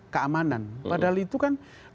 keamanan padahal itu kan